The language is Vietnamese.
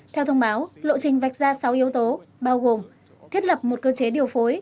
theo thông báo lộ trình vạch ra sáu yếu tố bao gồm thiết lập một cơ chế điều phối